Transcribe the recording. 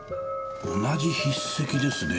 同じ筆跡ですね。